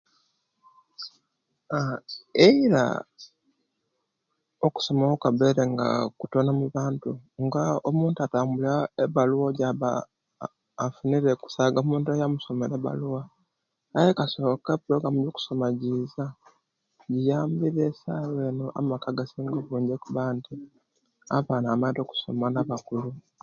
Eira okusuna owekwabare nga kutono mubantu nga omuntu atambulya ebaluwa ejaba afunire kusaga omuntu eyamusimera ebaluwa aye kasoka eprogramu ejokusoma jiza giyambire esawa eno amaka agasinga obungi okuba nti abaana bamaite okusoma nabakulu